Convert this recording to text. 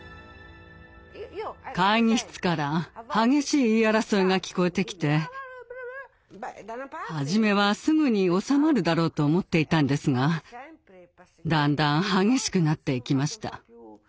会議室から激しい言い争いが聞こえてきて初めはすぐに収まるだろうと思っていたんですがだんだん激しくなっていきました。